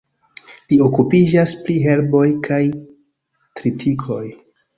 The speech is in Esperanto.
Li okupiĝas pri herboj kaj tritikoj.